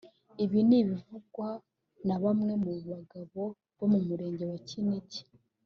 Ibi ni ibivugwa na bamwe mu bagabo bo mu murenge wa Kinigi